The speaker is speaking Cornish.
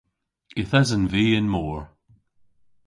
Yth esen vy y'n mor.